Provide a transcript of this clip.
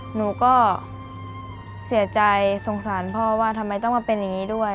หนูก็เสียใจสงสารพ่อว่าทำไมต้องมาเป็นอย่างนี้ด้วย